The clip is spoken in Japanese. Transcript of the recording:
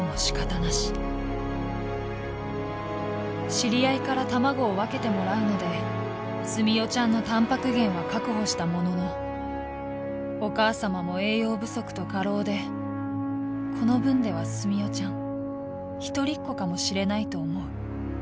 「知り合いから玉子をわけてもらうので住代ちゃんの蛋白源は確保したもののお母様も栄養不足と過労でこの分では住代チャン一人っ子かも知れないと思う。